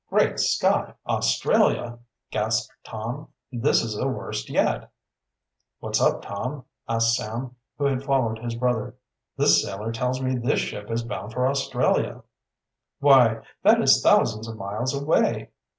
"Great Scott! Australia!" gasped Tom. "This is the worst yet." "What's up, Tom?" asked Sam, who had followed his brother. "This sailor tells me this ship is bound for Australia." "Why, that is thousands of miles away!"